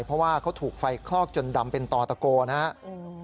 เพราะว่าเขาถูกไฟคลอกจนดำเป็นต่อตะโกนะครับ